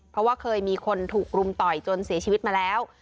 เพราะว่าเคยมีคนถูกรุมต่อยจนเสียชีวิตมาแล้ว